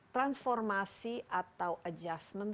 transformasi atau adjustment